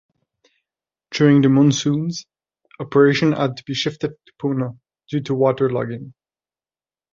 During the monsoons, operations had to be shifted to Poona due to water logging.